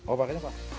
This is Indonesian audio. oh pakainya apa